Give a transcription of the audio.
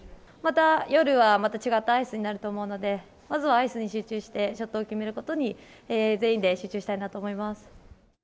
また夜は、また違ったアイスになると思うので、まずはアイスに集中して、ショットを決めることに全員で集中したいなと思います。